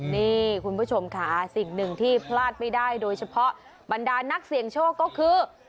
นี่คุณผู้ชมค่ะสิ่งหนึ่งที่พลาดไม่ได้โดยเฉพาะบรรดานักเสี่ยงโชคก็คือ